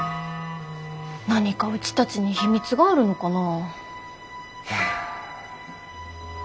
何かうちたちに秘密があるのかな？